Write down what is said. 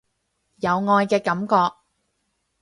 有愛嘅感覺